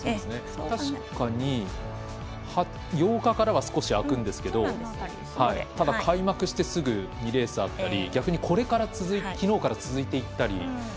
確かに、８日からは少し空くんですけどただ、開幕してすぐ２レースあったり逆にきのうから続いていったり。